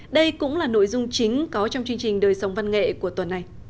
đây cũng là nội dung chính có trong chương trình đời sống văn nghệ của tuần này